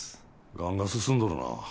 がんが進んどるな。